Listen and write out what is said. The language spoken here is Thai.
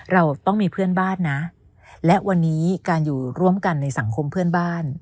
เราต้องมีเพื่อนบ้านนะและวันนี้การอยู่ร่วมกันในสังคมเพื่อนบ้าน